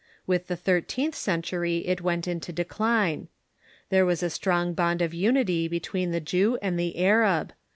With the thirteenth century it went into decline. There was or/hrArabs ^ Strong bond of unity between the Jew and the Arab.